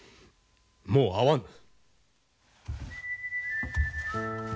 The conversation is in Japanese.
もう会わぬ。